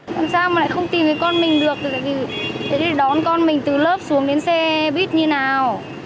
làm sao mà lại không tìm cái con mình được thế để đón con mình từ lớp xuống đến xe biết như nào